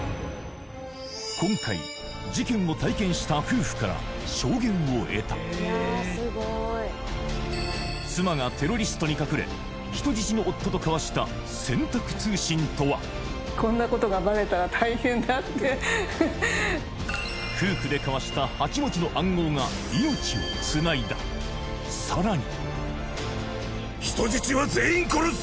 今回事件を体験した夫婦から証言を得た妻がテロリストに隠れ夫婦で交わした８文字の暗号が命をつないださらに